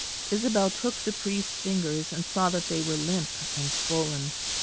Isabel took the priest's fingers and saw that they were limp and swollen.